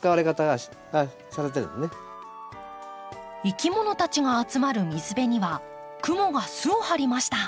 いきものたちが集まる水辺にはクモが巣をはりました。